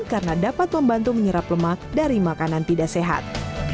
karena dapat membantu menyerap lemak dari makanan tidak sehat